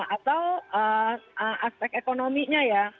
atau aspek ekonominya ya